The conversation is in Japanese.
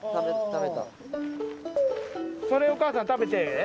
それお母さん食べてええ？